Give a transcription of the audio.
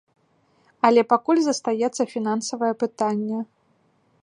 Але пакуль застаецца фінансавае пытанне.